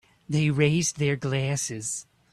They raise their glasses.